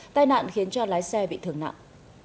tai nạn khiến cho lái xe bị thường nặng